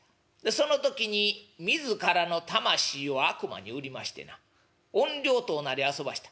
その時に自らの魂を悪魔に売りましてな怨霊とおなりあそばした。